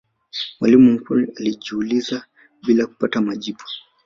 mwalimu mkuu alijiuliza bila kupata majibu